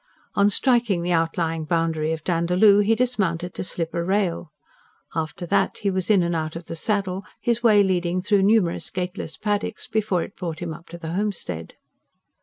On striking the outlying boundary of Dandaloo, he dismounted to slip a rail. After that he was in and out of the saddle, his way leading through numerous gateless paddocks before it brought him up to the homestead.